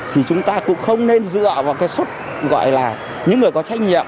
thì chúng ta cũng không nên dựa vào cái xuất gọi là những người có trách nhiệm